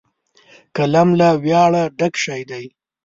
قلم له ویاړه ډک شی دی